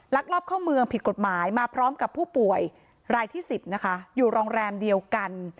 ลอบเข้าเมืองผิดกฎหมายมาพร้อมกับผู้ป่วยรายที่๑๐นะคะอยู่โรงแรมเดียวกัน